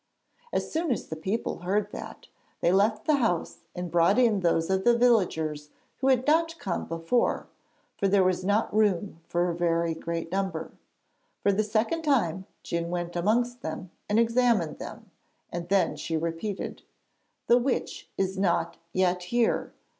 As soon as the people heard that, they left the house and brought in those of the villagers who had not come before, for there was not room for a very great number. For the second time Djun went among them and examined them, and then she repeated: 'The witch is not yet here.'